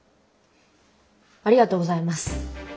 ありがとうございます。